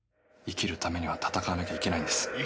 生きるためには戦わなきゃいけないんです。